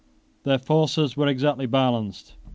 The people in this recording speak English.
Their forces were exactly balanced.